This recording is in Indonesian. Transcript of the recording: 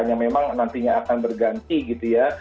yang memang nantinya akan berganti